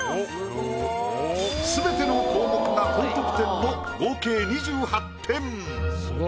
すべての項目が高得点の合計２８点。